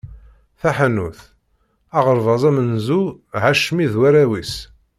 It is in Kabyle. Taḥanut, aɣerbaz amenzu Hacmi d warraw-is.